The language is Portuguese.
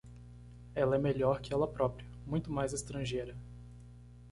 Ela é melhor que ela própria, muito mais estrangeira.